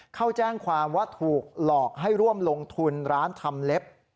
เข้าแจ้งความว่าถูกหลอกให้ร่วมลงทุนร้านทำเล็บ